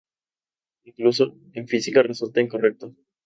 Incluso, en física resulta incorrecto.